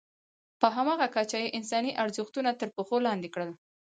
په همغه کچه یې انساني ارزښتونه تر پښو لاندې کړل.